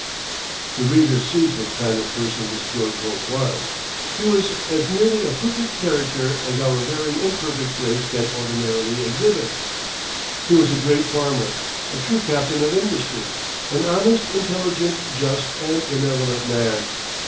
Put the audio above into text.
The reader sees what kind of person this George Hope was. He was as nearly a perfect character as our very imperfect race can ordinarily exhibit. He was a great farmer, a true captain of industry, an honest, intelligent, just, and benevolent man.